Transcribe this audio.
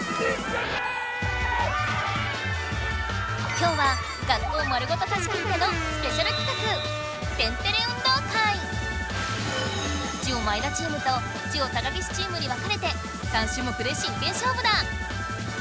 今日は学校丸ごと貸し切ってのジオ前田チームとジオ高岸チームに分かれて３種目で真剣勝負だ！